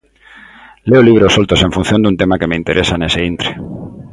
Leo libros soltos en función dun tema que me interesa nese intre.